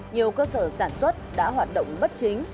nhiều cơ sở sản xuất đã hoạt động bất chính